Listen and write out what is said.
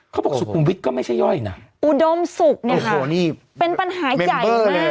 เขาบอกสุขุมวิทย์ก็ไม่ใช่ย่อยนะโอ้โฮนี่แมมเบอร์อุดมศุกร์เนี่ยค่ะเป็นปัญหาใหญ่มาก